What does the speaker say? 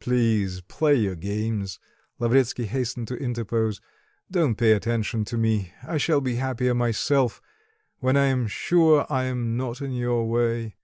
"Please, play your games," Lavretsky hastened to interpose; "don't pay attention to me. I shall be happier myself, when I am sure I am not in your way.